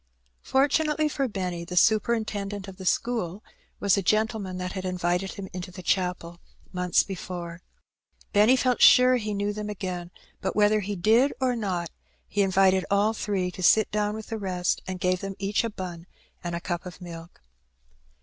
Fortunately for Benny, the superintendent of the school was the gentleman that had invited him into the chapel months before. Benny felt sure he knew them again, but whether he did or not, he invited all three to sit down with the rest, and gave them each a bun and a cup of milk.